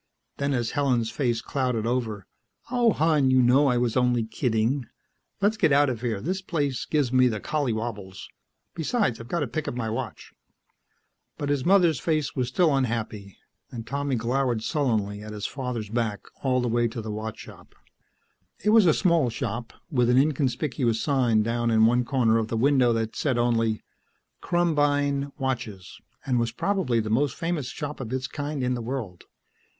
Then as Helen's face clouded over, "Oh, hon, you know I was only kidding. Let's get out of here; this place gives me the collywobbles. Besides, I've got to pick up my watch." But his mother's face was still unhappy and Tommy glowered sullenly at his father's back all the way to the watch shop. It was a small shop, with an inconspicuous sign down in one corner of the window that said only, "KRUMBEIN watches," and was probably the most famous shop of its kind in the world.